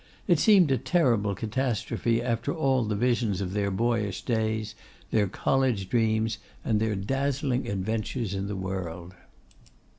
It seemed a terrible catastrophe after all the visions of their boyish days, their college dreams, and their dazzling adventures in the world.